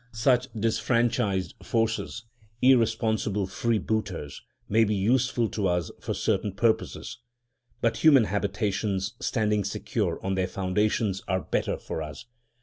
Such disfranchised forces, irresponsible free booters, may be useful to us for certain purposes, but human habitations standing secure on their foundations are better for us.